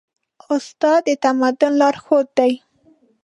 استاد د تمدن لارښود دی.